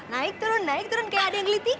naik turun naik turun kayak ada yang ngelitikin gitu